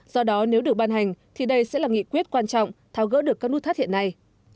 do đó nếu được ban hành thì đây sẽ là nghị quyết quan trọng tháo gỡ được các nút thắt hiện nay